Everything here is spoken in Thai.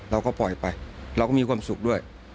เราก็ปล่อยไปเราก็มีความสุขด้วย